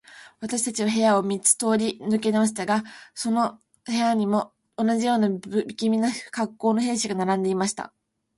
私たちは部屋を二つ三つ通り抜けましたが、どの部屋にも、同じような無気味な恰好の兵士が並んでいました。